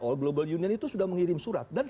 oil global union itu sudah mengirim surat dan